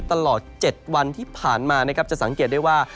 ตลอด๗วันที่ผ่านมานะครับจะสังเกตได้ว่า